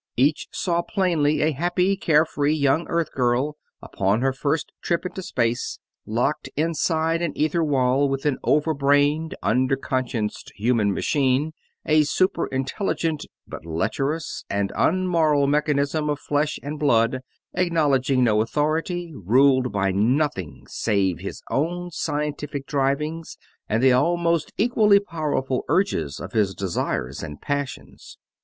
Each saw plainly a happy, carefree young Earth girl, upon her first trip into space, locked inside an ether wall with an over brained, under conscienced human machine a super intelligent, but lecherous and unmoral mechanism of flesh and blood, acknowledging no authority, ruled by nothing save his own scientific drivings and the almost equally powerful urges of his desires and passions!